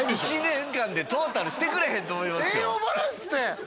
１年間でトータルしてくれへんと思いますよ